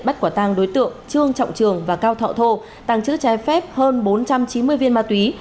bắt quả tăng đối tượng trương trọng trường và cao thọ thô tàng trữ trái phép hơn bốn trăm chín mươi viên ma túy